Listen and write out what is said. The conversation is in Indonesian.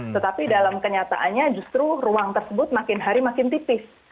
tetapi dalam kenyataannya justru ruang tersebut makin hari makin tipis